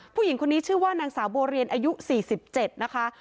ผู้หญิงคนนี้ชื่อว่านางสาวบัวเรียนอายุ๔๗นะคะ